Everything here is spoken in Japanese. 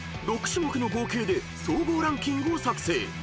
［６種目の合計で総合ランキングを作成］